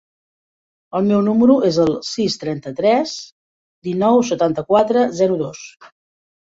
El meu número es el sis, trenta-tres, dinou, setanta-quatre, zero, dos.